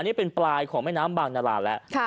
นี่เป็นปลายของแม่น้ำบางนาราแล้ว